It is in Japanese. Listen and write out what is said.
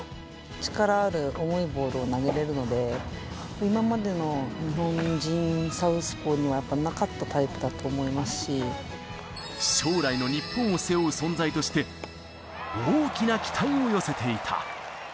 力のある重いボールを投げれるので、今までの日本人サウスポーには、やっぱりなかったタイプだと思い将来の日本を背負う存在として、大きな期待を寄せていた。